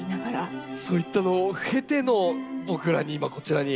そういったのを経ての僕らに今こちらに。